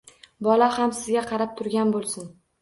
Bola ham sizga qarab turgan bo‘lsin.